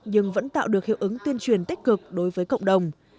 nhưng vẫn tạo được hiệu ứng tuyên truyền tích cực đối với cộng đồng